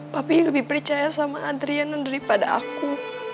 papi lebih percaya sama adriana daripada aku